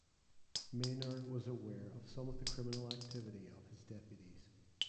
Maynor was aware of some of the criminal activity of his deputies.